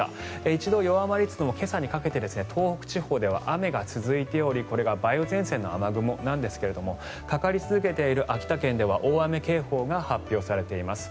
一度弱まりつつも今朝にかけまして東北地方では雨が続いておりこれが梅雨前線の雨雲なんですがかかり続けている秋田県では大雨警報が発表されています。